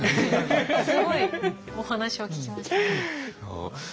すごいお話を聞きましたね。